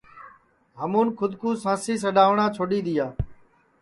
ہمون کھود کُو سانسی سڈؔاٹؔا چھوڈؔ دؔیا